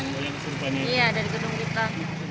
iya dari gedung kita